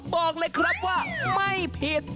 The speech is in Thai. บอกเลยครับว่าไม่ผิด